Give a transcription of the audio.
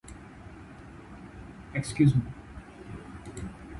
Trixie returns to Ponyville seek revenge from Twilight after her last visit.